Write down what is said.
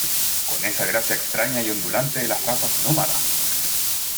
con esa gracia extraña y ondulante de las razas nómadas,